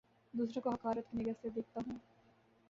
دوسروں کو حقارت کی نگاہ سے دیکھتا ہوں